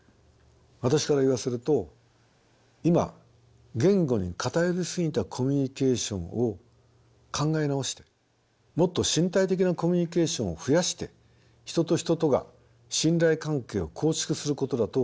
私から言わせると今言語に偏り過ぎたコミュニケーションを考え直してもっと身体的なコミュニケーションを増やして人と人とが信頼関係を構築することだと思います。